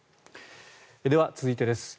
では、続いてです。